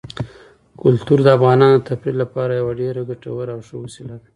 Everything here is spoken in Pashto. کلتور د افغانانو د تفریح لپاره یوه ډېره ګټوره او ښه وسیله ده.